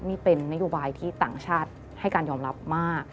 นี่เป็นนโยบายที่ต่างชาติให้การยอมรับมาก